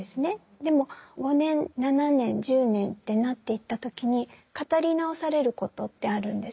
でも５年７年１０年ってなっていった時に語り直されることってあるんです。